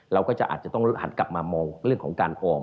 เราก็จะอาจจะต้องหันกลับมามองเรื่องของการออม